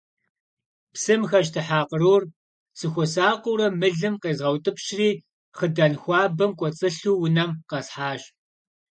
Псым хэщтыхьа кърур, сыхуэсакъыурэ мылым къезгъэутӏыпщри, хъыдан хуабэм кӏуэцӏылъу унэм къэсхьащ.